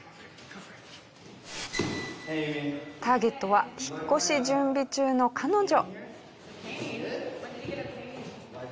ターゲットは引っ越し準備中の彼女。